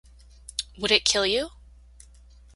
Would It Kill You?